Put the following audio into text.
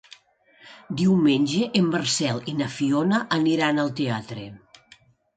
Diumenge en Marcel i na Fiona aniran al teatre.